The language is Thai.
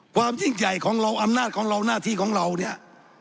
ความยิ่งใหญ่ของเราอำนาจของเราหน้าที่ของเราเนี่ย